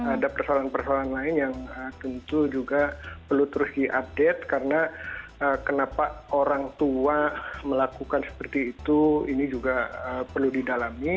ada persoalan persoalan lain yang tentu juga perlu terus diupdate karena kenapa orang tua melakukan seperti itu ini juga perlu didalami